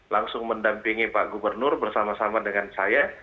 langsung mendampingi pak gubernur bersama sama dengan saya